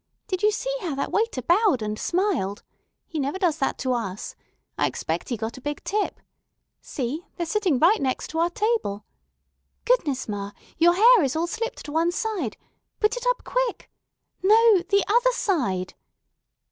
"Did you see how that waiter bowed and smiled? He never does that to us. I expect he got a big tip. See, they're sitting right next our table. Goodness, ma, your hair is all slipped to one side. Put it up quick. No, the other side.